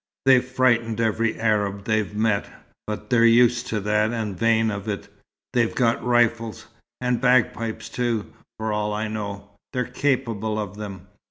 They've frightened every Arab they've met but they're used to that and vain of it. They've got rifles and bagpipes too, for all I know. They're capable of them."